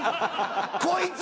こいつ？